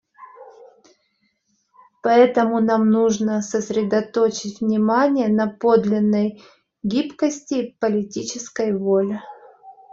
Поэтому нам нужно сосредоточить внимание на подлинной гибкости и политической воле.